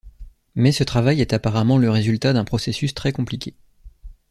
Mais ce travail est apparemment le résultat d'un processus très compliqué.